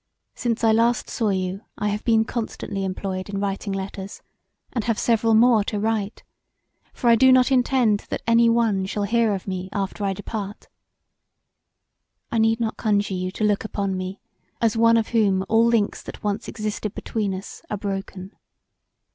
Since I last saw you I have been constantly employed in writing letters, and have several more to write; for I do not intend that any one shall hear of me after I depart. I need not conjure you to look upon me as one of whom all links that once existed between us are broken.